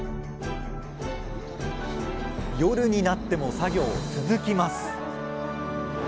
夜になっても作業続きます